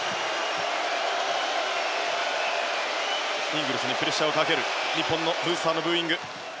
イングルスにプレッシャーをかける日本のブースターのブーイング。